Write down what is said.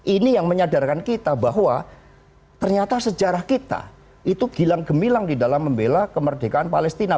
ini yang menyadarkan kita bahwa ternyata sejarah kita itu gilang gemilang di dalam membela kemerdekaan palestina